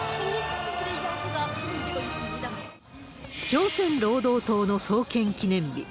朝鮮労働党の創建記念日。